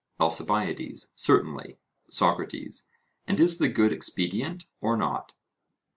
ALCIBIADES: Certainly. SOCRATES: And is the good expedient or not?